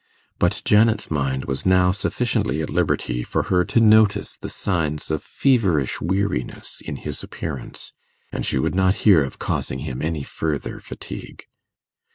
But Janet's mind was now sufficiently at liberty for her to notice the signs of feverish weariness in his appearance, and she would not hear of causing him any further fatigue.